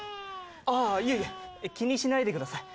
ああいえいえ気にしないでください